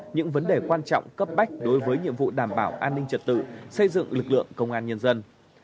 những vấn đề quan trọng cấp bách đối với nhiệm vụ đảm bảo an ninh trật tự xây dựng lực lượng công an nhân dân